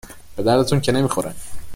به دردتون که نمیخوره-